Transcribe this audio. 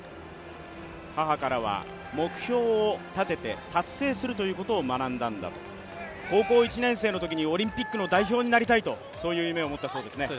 母からは、目標を立てて達成するということを学んだんだと、高校１年生のときにオリンピックのだいひょうになりたいという夢を持ったそうですね。